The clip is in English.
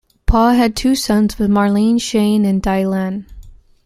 Pugh had two sons with Marlene, Shane and Dailan.